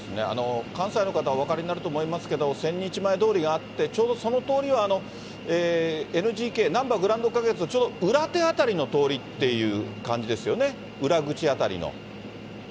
関西の方はお分かりになると思いますけれども、千日前通りがあって、ちょうどその通りをＮＧＫ・なんばグランド花月のちょうど裏手辺りの通りっていう感じですよね、裏口辺りの。